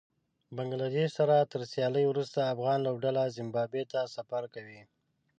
بنګله دېش سره تر سياليو وروسته افغان لوبډله زېمبابوې ته سفر کوي